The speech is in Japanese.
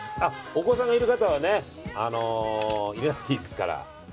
お子さんがいる方は入れなくていいですから。